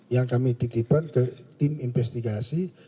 yang kami titipkan ke tim investigasi